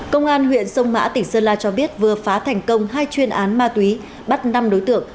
công an huyện sông mã tỉnh sơn la cho biết vừa phá thành công hai chuyên án ma túy bắt năm đối tượng